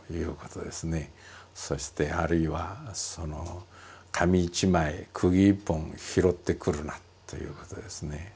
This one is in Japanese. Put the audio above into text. そしてあるいは「紙一枚釘一本拾ってくるな」ということですね。